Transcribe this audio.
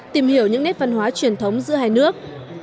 tìm hiểu những nét văn hóa truyền thống giữa hai nước